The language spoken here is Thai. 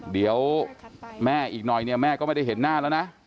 เดี๋ยวแม่อีกหน่อยเนี่ยแม่ก็ไม่ได้เห็นหน้าแล้วนะ